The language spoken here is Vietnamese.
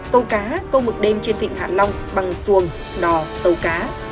câu cá câu mực đêm trên vịnh hạ long bằng xuồng lò tàu cá